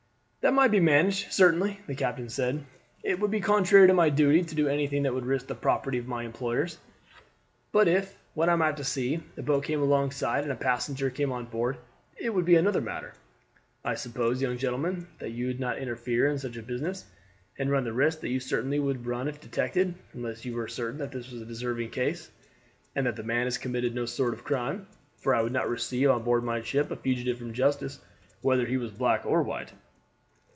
"That might be managed, certainly," the captain said. "It would be contrary to my duty to do anything that would risk the property of my employers; but if when I am out at sea a boat came alongside, and a passenger came on board, it would be another matter. I suppose, young gentleman, that you would not interfere in such a business, and run the risk that you certainly would run if detected, unless you were certain that this was a deserving case, and that the man has committed no sort of crime; for I would not receive on board my ship a fugitive from justice, whether he was black or white."